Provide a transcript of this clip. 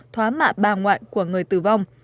thoá mạ bà ngoại của người tử vong